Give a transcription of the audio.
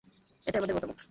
এটাই আমার মতামত।